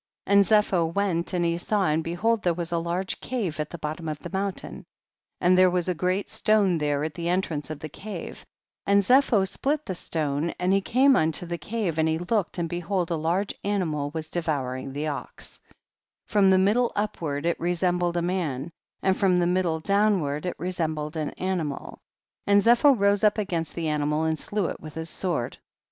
15. And Zepho went and he saw and behold there was a large cave at the bottom of the mountain, and there was a great stone there at the entrance of the cave, and Zepho split the stone and he came unto the cave and he looked and behold, a large animal was devouring the ox ; from the middle upward it resembled a man, and from the middle down ward it resembled an animal, and Zepho rose up against the animal and slew it with his sword.